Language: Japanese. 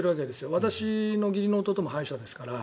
私の義理の弟も歯医者ですから。